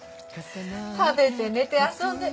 食べて寝て遊んで。